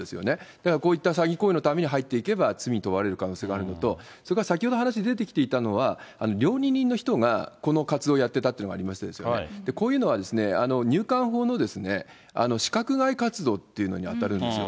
だからこういった詐欺行為のために入っていけば罪に問われる可能性があるのと、それから先ほど話に出てきていたのが、料理人の人がこの活動をやってたというのがありましたですよね、こういうのは入管法の資格外活動というのに当たるんですよ。